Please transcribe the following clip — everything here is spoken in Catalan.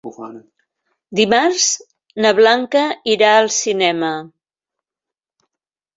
Dimarts na Blanca irà al cinema.